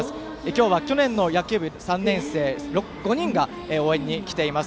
今日は去年の野球部の３年生５人が応援に来ています。